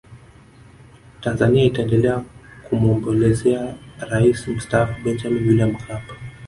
tanzania itaendelea kumwombolezea rais mstaafu benjamin william mkapa